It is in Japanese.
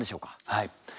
はい。